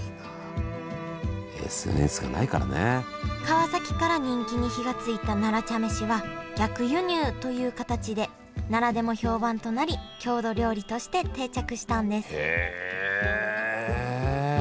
川崎から人気に火がついた奈良茶飯は逆輸入という形で奈良でも評判となり郷土料理として定着したんですへえ。